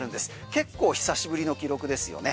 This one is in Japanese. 結構久しぶりの記録ですよね。